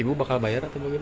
ibu bakal bayar atau gimana